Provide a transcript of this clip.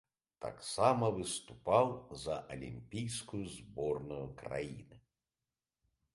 Таксама выступаў за алімпійскую зборную краіны.